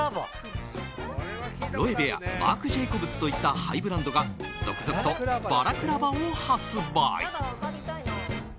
ロエベやマークジェイコブスといったハイブランドが続々とバラクラバを発売。